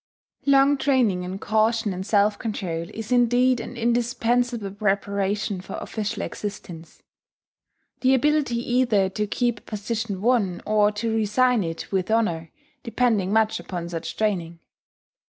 Long training in caution and self control is indeed an indispensable preparation for official existence; the ability either to keep a position won, or to resign it with honour, depending much upon such training.